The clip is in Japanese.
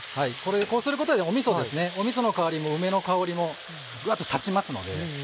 こうすることでみその香りも梅の香りもぐわっと立ちますので。